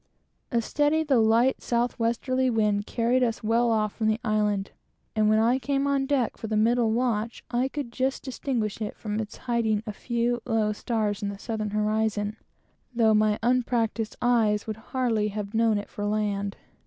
A steady, though light south westerly wind carried us well off from the island, and when I came on deck for the middle watch I could just distinguish it from its hiding a few low stars in the southern horizon, though my unpracticed eyes would hardly have known it for land.